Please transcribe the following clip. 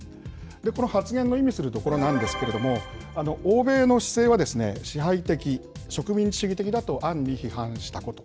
この発言の意味するところなんですけれども、欧米の姿勢は支配的、植民地主義的だと暗に批判したこと。